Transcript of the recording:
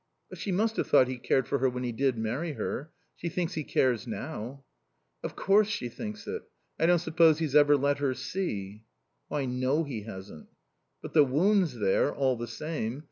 "But she must have thought he cared for her when he did marry her. She thinks he cares now." "Of course she thinks it. I don't suppose he's ever let her see." "I know he hasn't." "But the wound's there, all the same.